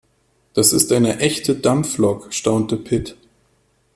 Das ist eine echte Dampflok, staunte Pit.